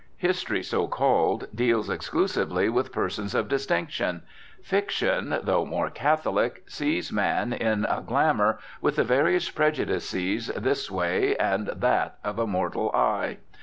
History, so called, deals exclusively with persons of distinction; fiction, though more catholic, sees man in a glamour, with the various prejudices this way and that of a mortal eye.